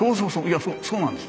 いやそうなんです。